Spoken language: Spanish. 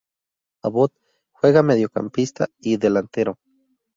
Abbott juega mediocampista y delantero.